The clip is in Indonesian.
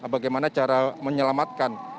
bagaimana cara menyelamatkan